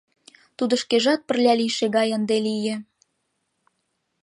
Тудо шкежат пырля лийше гай ынде лие.